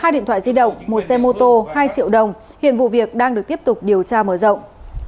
hai điện thoại di động một xe mô tô hai triệu đồng hiện vụ việc đang được tiếp tục điều tra mở rộng